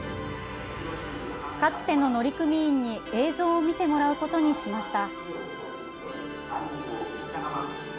かつての乗組員に映像を見てもらうことにしました。